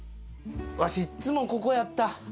わしいつもここやった。